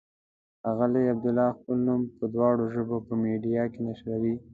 ښاغلی عبدالله خپل نوم په دواړو ژبو په میډیا کې نشروي.